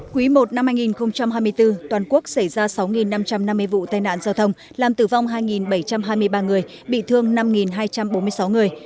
quý i năm hai nghìn hai mươi bốn toàn quốc xảy ra sáu năm trăm năm mươi vụ tai nạn giao thông làm tử vong hai bảy trăm hai mươi ba người bị thương năm hai trăm bốn mươi sáu người